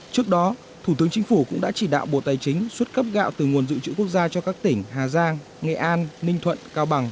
trước đó thủ tướng chính phủ cũng đã chỉ đạo bộ tài chính xuất cấp gạo từ nguồn dự trữ quốc gia cho các tỉnh hà giang nghệ an ninh thuận cao bằng